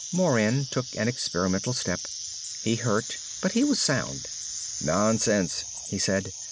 Moran took an experimental step. He hurt, but he was sound. "Nonsense!" he said.